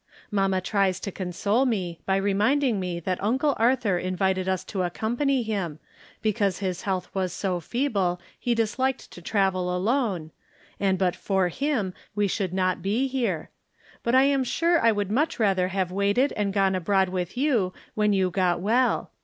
Mamma tries to console me by reminding me that Uncle Arthur invited us to accompany liim, because his health was so feeble he disliked to travel alone, and but for him we should not be here ; but I am sure I would much rather have waited and gone abroad with you when you got well.